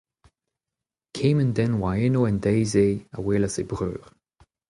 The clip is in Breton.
Kement den a oa eno en deiz-se a welas he breur.